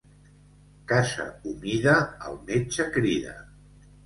Casa humida el metge crida.